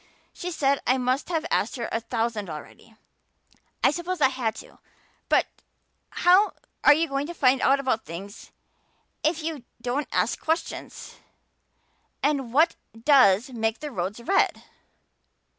She said I must have asked her a thousand already. I suppose I had, too, but how you going to find out about things if you don't ask questions? And what does make the roads red?"